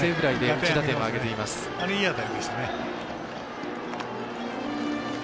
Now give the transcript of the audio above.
あれはいい当たりでしたね。